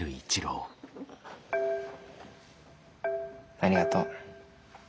ありがとう。